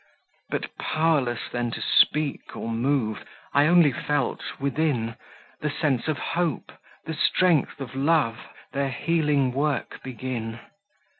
But pow'rless then to speak or move, I only felt, within, The sense of Hope, the strength of Love, Their healing work begin.